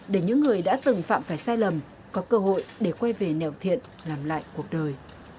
để những người đã từng phạm phải sai lầm có cơ hội để quay về nẻo thiện làm lại cuộc đời